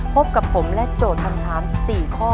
พบกับผมและโจทย์คำถาม๔ข้อ